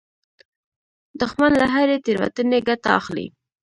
دښمن له هرې تېروتنې ګټه اخلي